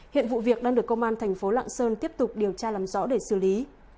hiện vụ việc đang được công an thành phố lạng sơn tiếp tục điều tra làm rõ để xử lý